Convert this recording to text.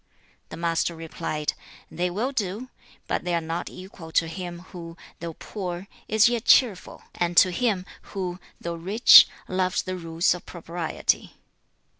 The Master replied, 'They will do; but they are not equal to him, who, though poor, is yet cheerful, and to him, who, though rich, loves the rules of propriety.'